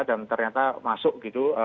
dan ternyata masuk gitu